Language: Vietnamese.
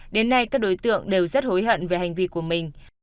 đến nay các đối tượng đều rất hối hận về hành vi của mình